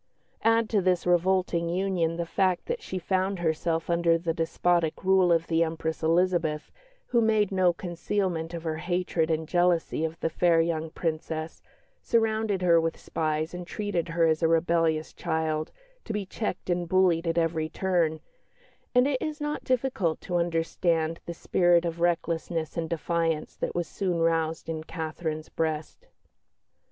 Add to this revolting union the fact that she found herself under the despotic rule of the Empress Elizabeth, who made no concealment of her hatred and jealousy of the fair young Princess, surrounded her with spies, and treated her as a rebellious child, to be checked and bullied at every turn and it is not difficult to understand the spirit of recklessness and defiance that was soon roused in Catherine's breast.